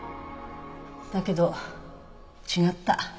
だけど違った。